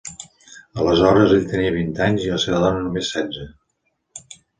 Aleshores, ell tenia vint anys i la seva dona només setze.